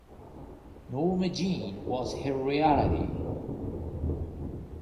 Norma Jean was her reality.